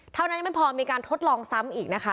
เท่านั้นยังไม่พอมีการทดลองซ้ำอีกนะคะ